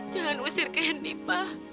jangan ngusir keni pa